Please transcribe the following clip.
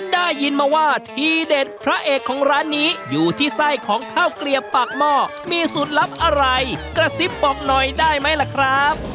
ได้ยินมาว่าทีเด็ดพระเอกของร้านนี้อยู่ที่ไส้ของข้าวเกลียบปากหม้อมีสูตรลับอะไรกระซิบบอกหน่อยได้ไหมล่ะครับ